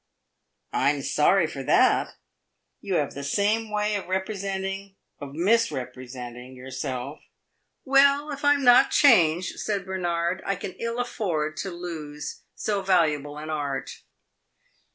"I am sorry for that!" "You have the same way of representing of misrepresenting, yourself." "Well, if I am not changed," said Bernard, "I can ill afford to lose so valuable an art."